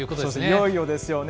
いよいよですよね。